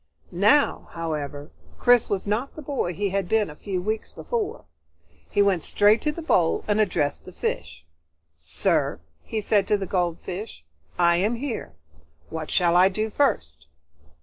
Now, however, Chris was not the boy he had been a few weeks before. He went straight to the bowl and addressed the fish. "Sir," he said to the goldfish, "I am here. What shall I do first?"